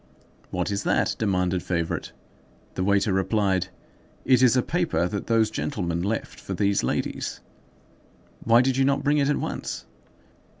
"What is that?" demanded Favourite. The waiter replied:— "It is a paper that those gentlemen left for these ladies." "Why did you not bring it at once?"